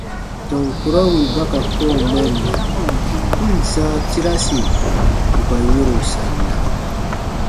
Tɔn kurɔ wì ba ka kɔ̃ɔ mɛnna, n ǹ sãa tiraasi ù ka yɛ̃ro sanna.